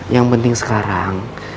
yang penting sekarang